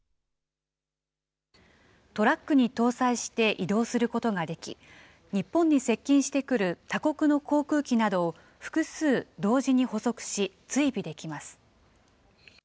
トラックに搭載して移動することができ、日本に接近してくる他国の航空機などを複数同時に捕捉し、追尾できます。